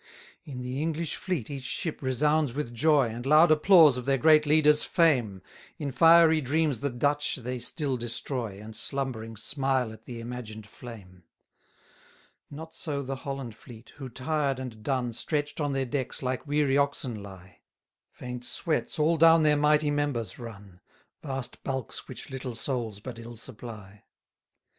69 In the English fleet each ship resounds with joy, And loud applause of their great leader's fame: In fiery dreams the Dutch they still destroy, And, slumbering, smile at the imagined flame. 70 Not so the Holland fleet, who, tired and done, Stretch'd on their decks like weary oxen lie; Faint sweats all down their mighty members run; Vast bulks which little souls but ill supply.